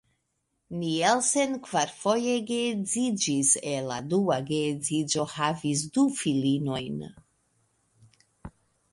Nielsen kvarfoje geedziĝis, el la dua geedziĝo havis du filinojn.